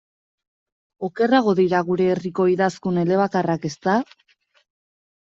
Okerrago dira gure herriko idazkun elebakarrak, ezta?